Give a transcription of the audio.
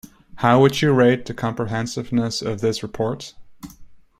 How would you rate the comprehensiveness of this report?